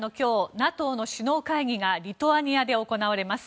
ＮＡＴＯの首脳会議がリトアニアで行われます。